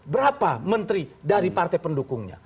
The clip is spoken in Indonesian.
berapa menteri dari partai pendukungnya